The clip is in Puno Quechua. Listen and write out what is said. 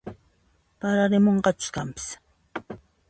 Pararimunqachus kanpis